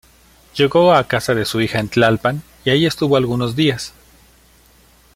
Llegó a casa de su hija en Tlalpan, y ahí estuvo algunos días.